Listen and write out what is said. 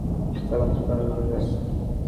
আচ্ছা, এখন প্রশ্ন-উত্তর পর্বে চলে আসছি।